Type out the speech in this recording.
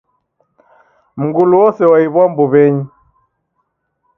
Mngulu wose waiw'a mbuw'enyi